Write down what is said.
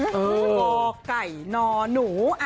กไก่นหนู